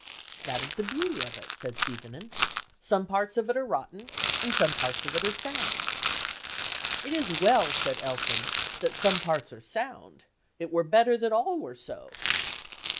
"That is the beauty of it," said Seithenyn. "Some parts of it are rotten, and some parts of it are sound." "It is well," said Elphin, "that some parts are sound: it were better that all were so."